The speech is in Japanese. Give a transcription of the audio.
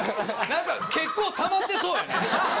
何か結構たまってそうやね。